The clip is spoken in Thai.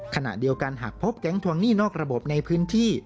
ขณะเดียวกันหากพบแก๊งทวงหนี้นอกระบบในพื้นที่